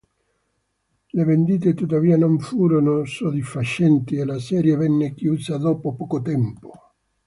Le vendite tuttavia non furono soddisfacenti e la serie venne chiusa dopo poco tempo.